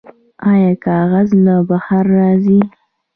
آیا کاغذ له بهر راځي؟